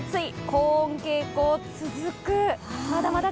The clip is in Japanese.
高温傾向続く。